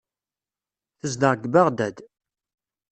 Tezdeɣ deg Beɣdad.